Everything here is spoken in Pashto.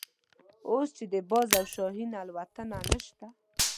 اوس چې د باز او شاهین الوتنه نشته.